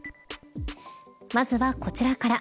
まずはこちらから。